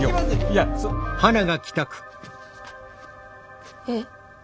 いや。えっ？